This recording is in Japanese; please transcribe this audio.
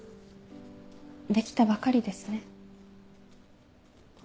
出来たばかりですね。